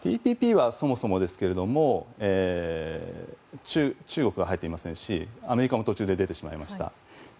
ＴＰＰは、そもそもですが中国は入っていませんしアメリカも途中で出てしまいました。